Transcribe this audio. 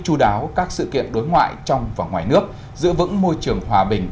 chú đáo các sự kiện đối ngoại trong và ngoài nước giữ vững môi trường hòa bình